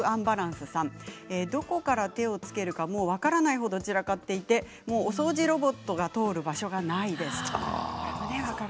どこから手をつけるかも分からない程、散らかっていてお掃除ロボットが通る場所がない。